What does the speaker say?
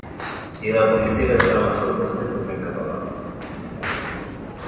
I la policia li ha tornat la salutació també en català.